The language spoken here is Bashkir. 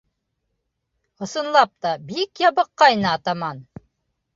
Ысынлап та, бик ябыҡҡайны атаман.